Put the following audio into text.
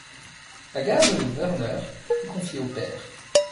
La garde de Werner est confiée au père.